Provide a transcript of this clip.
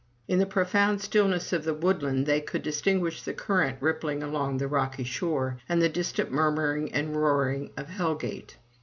In the profound stillness of the woodland, they could dis tinguish the current rippling along the rocky shore, and the distant murmuring and roaring of Hell gate.